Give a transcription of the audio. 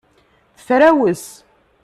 Tefrawes.